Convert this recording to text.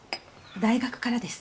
大学からです。